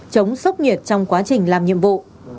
chống sốc nhiệt trong quá trình làm nhiệm vụ